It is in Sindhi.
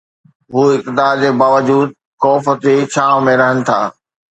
هو اقتدار جي باوجود خوف جي ڇانو ۾ رهن ٿا.